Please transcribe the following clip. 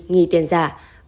nghị tiền giả